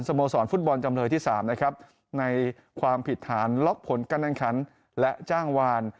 สโมสรฟุตบอลจำเลยที่สามในความผิดฐานล็อคผลกันกันขันและจ้างวาน